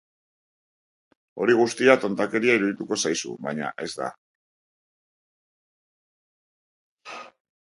Hori guztia tontakeria irudituko zaizu, baina ez da.